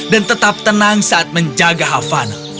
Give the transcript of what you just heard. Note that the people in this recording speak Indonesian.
dan tetap tenang saat menjaga havana